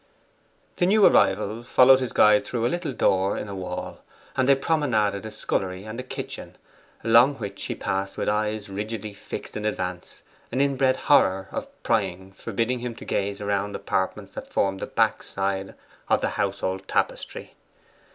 The new arrival followed his guide through a little door in a wall, and then promenaded a scullery and a kitchen, along which he passed with eyes rigidly fixed in advance, an inbred horror of prying forbidding him to gaze around apartments that formed the back side of the household tapestry.